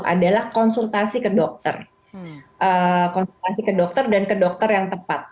adalah konsultasi ke dokter konsultasi ke dokter dan ke dokter yang tepat